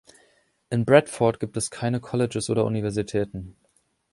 In Bradford gibt es keine Colleges oder Universitäten.